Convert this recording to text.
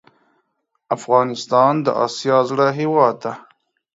افغانستان د اسیا زړه هیواد ده